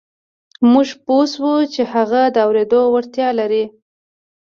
موږ پوه شوو چې هغه د اورېدو وړتیا لري